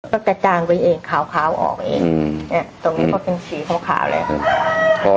ก็กระจางไปเองขาวออกเองเนี่ยตรงนี้ก็เป็นสีขาวแหละ